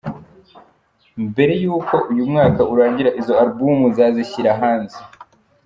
Mbere y’uko uyu mwaka urangira izo album nzazishyira hanze.